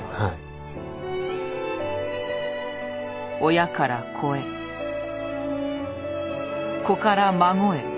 親から子へ子から孫へ。